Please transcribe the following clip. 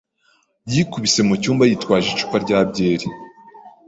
yikubise mu cyumba, yitwaje icupa rya byeri.